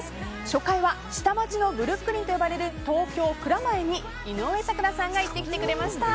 初回は下町のブルックリンと呼ばれる東京・蔵前に井上咲楽さんが行ってきてくれました。